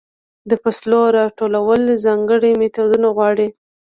د فصلو راټولول ځانګړې میتودونه غواړي.